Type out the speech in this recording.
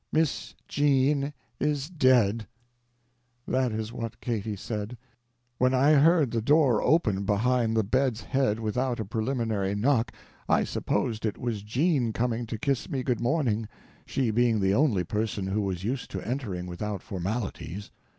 "MISS JEAN IS DEAD!" That is what Katy said. When I heard the door open behind the bed's head without a preliminary knock, I supposed it was Jean coming to kiss me good morning, she being the only person who was used to entering without formalities.